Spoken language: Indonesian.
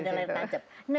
iya ada layar pancap